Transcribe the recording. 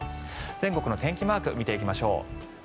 全国の天気マークを見ていきましょう。